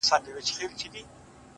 هيواد مي هم په ياد دى’